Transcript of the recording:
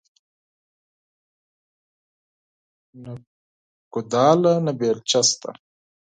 نه کوداله نه بيلچه شته